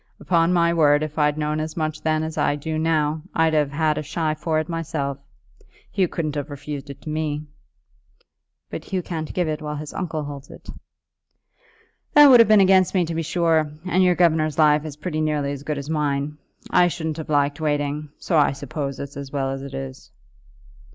Upon my word, if I'd known as much then as I do now, I'd have had a shy for it myself. Hugh couldn't have refused it to me." "But Hugh can't give it while his uncle holds it." "That would have been against me to be sure, and your governor's life is pretty nearly as good as mine. I shouldn't have liked waiting; so I suppose it's as well as it is."